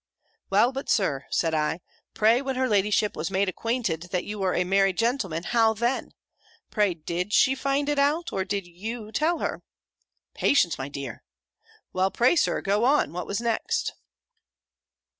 "Well, but, Sir," said I, "pray, when her ladyship was made acquainted that you were a married gentleman, how then? Pray, did she find it out, or did you tell her?" "Patience, my dear!" "Well pray, Sir, go on. What was next?"